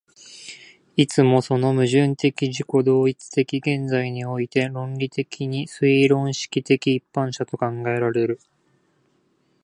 いつもその矛盾的自己同一的現在において論理的に推論式的一般者と考えられる。